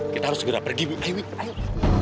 kita harus segera pergi ewi ewi ayo